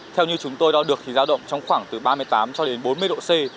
theo như chúng tôi đo được thì giao động trong khoảng từ ba mươi tám cho đến bốn mươi độ c